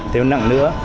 thế nặng nữa